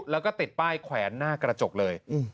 แล้วก็ติดป้ายแขวนหน้ากระจกเลย